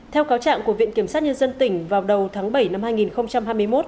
theo cáo trạng của viện kiểm sát nhân dân tỉnh vào đầu tháng bảy năm hai nghìn hai mươi một